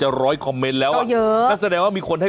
อาชีพเดียวไม่ได้